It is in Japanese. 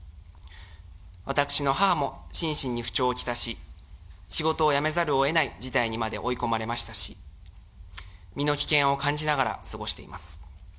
私の母も心身に不調をきたし、仕事を辞めざるをえない事態にまで追い込まれましたし、身の危険を感じながら過ごしています。